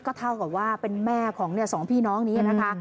ก็เท่ากับว่าเป็นแม่ของ๒พี่น้องแล้วนะคะ